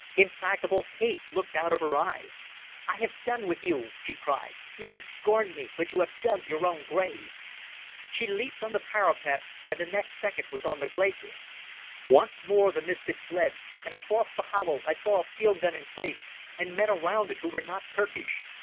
Implacable hate looked out of her eyes. "I have done with you," she cried. "You have scorned me, but you have dug your own grave." She leaped on the parapet and the next second was on the glacis. Once more the mist had fled, and across the hollow I saw a field gun in place and men around it who were not Turkish.